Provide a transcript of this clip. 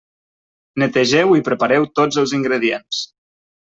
Netegeu i prepareu tots els ingredients.